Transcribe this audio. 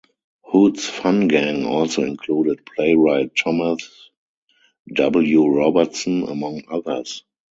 Hood's "Fun" gang also included playwright Thomas W. Robertson, among others.